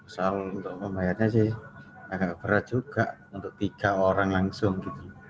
soal untuk membayarnya sih agak berat juga untuk tiga orang langsung gitu